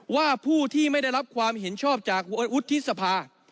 ว่าผู้ที่ไม่ได้รับความเห็นชอบจากวุฒิสภา